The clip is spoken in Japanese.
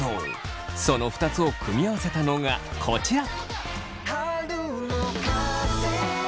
その２つを組み合わせたのがこちら。